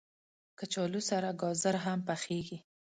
کچالو سره ګازر هم پخېږي